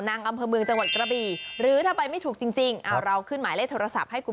อ๋อนางสุดดีนะคนเคยไป